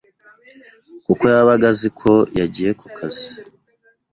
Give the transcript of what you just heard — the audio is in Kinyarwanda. kuko yabaga azi ko yagiye ku kazi